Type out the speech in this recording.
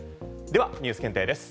ではニュース検定です。